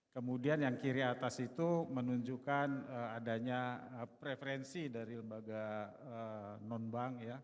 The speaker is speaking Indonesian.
kemudian yang kiri atas itu menunjukkan adanya preferensi dari lembaga non bank ya